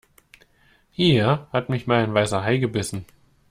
Hier hat mich mal ein Weißer Hai gebissen.